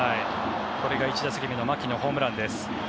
これが１打席目の牧のホームランです。